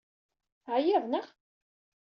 Teɛyiḍ, naɣ?